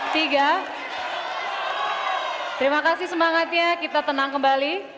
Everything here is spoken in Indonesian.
terima kasih semangatnya kita tenang kembali